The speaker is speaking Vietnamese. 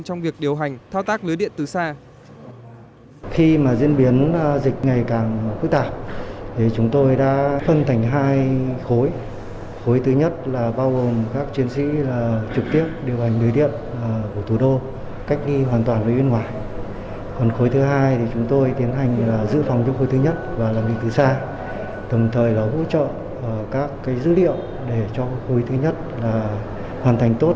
trong việc điều hành thao tác lưới điện từ xa